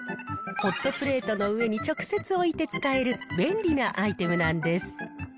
ホットプレートの上に直接置いて使える便利なアイテムなんです。